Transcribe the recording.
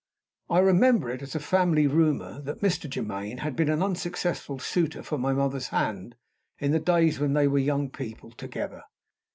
I remember it as a family rumor, that Mr. Germaine had been an unsuccessful suitor for my mother's hand in the days when they were young people together.